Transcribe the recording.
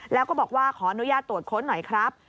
แล้วก็บอกว่าขออนุญาตตรวจค้นหน่อยครับ